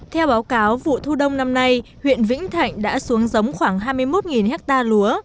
theo báo cáo vụ thu đông năm nay huyện vĩnh thạnh đã xuống giống khoảng hai mươi một ha lúa